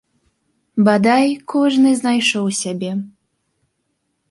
Бадай кожны знайшоў сябе.